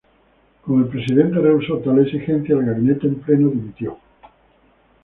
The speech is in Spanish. Como el presidente rehusó tal exigencia, el gabinete en pleno dimitió.